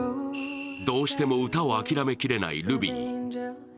どうしても歌を諦めきれないルビー。